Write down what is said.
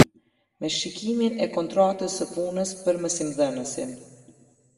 Me shikimin e kontratës së punës për mësimdhënësin.